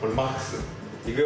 いくよ。